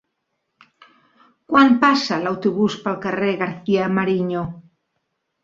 Quan passa l'autobús pel carrer García-Mariño?